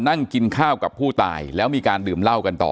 นั่งกินข้าวกับผู้ตายแล้วมีการดื่มเหล้ากันต่อ